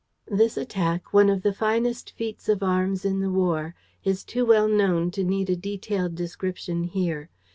This attack, one of the finest feats of arms in the war, is too well known to need a detailed description here.